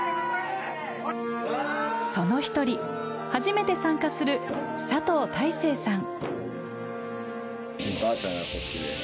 その一人初めて参加する佐藤大成さん。